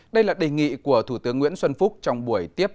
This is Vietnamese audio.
đây là đề nghị của thủ tướng nguyễn xuân phúc trong buổi tiếp